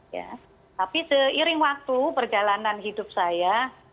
ya tapi seiring waktu perjalanan hidup saya